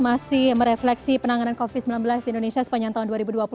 masih merefleksi penanganan covid sembilan belas di indonesia sepanjang tahun dua ribu dua puluh